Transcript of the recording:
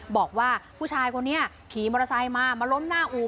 บอกว่าผู้ชายคนนี้ขี่มอเตอร์ไซค์มามาล้มหน้าอู่